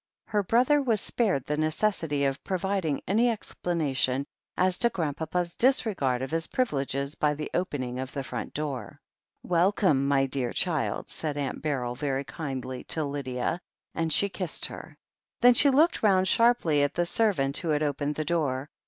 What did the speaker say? Her brother was spared the necessity of providing any explanation as to Grandpapa's disregard of his privileges by the opening of the front door. "Welcome, my dear child." said Aunt Beryl very kindly to Lydia, and she kissed hen 8 THE HEEL OF ACHILLES Then she looked round sharply at the servant who had opened the door.